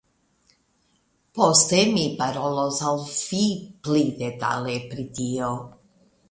Poste mi parolos al vi pli detale pri tio.